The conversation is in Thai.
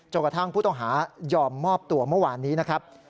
กระทั่งผู้ต้องหายอมมอบตัวเมื่อวานนี้นะครับ